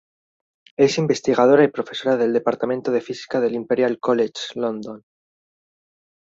Es investigadora y profesora del departamento de física del Imperial College London.